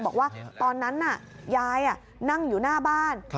บอกว่าตอนนั้นน่ะยายนั่งอยู่หน้าบ้าน